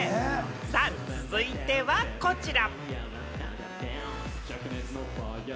続いてはこちら。